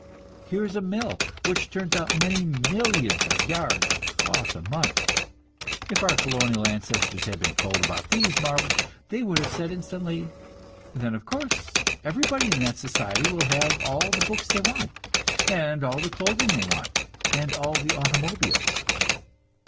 Here is a mill which turns out many millions of yards of cloth a month. If our colonial ancestors had been told about these marvels, they would have said instantly: "Then, of course, everybody in that society will have all the books they want, and all the clothing they want, and all the automobiles.